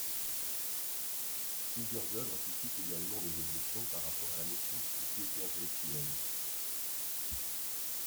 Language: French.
Plusieurs œuvres suscitent également des objections par rapport à la notion de propriété intellectuelle.